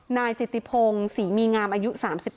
นายจิตติพงศรีมีงามอายุ๓๙